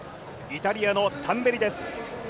イタリアのタンベリです。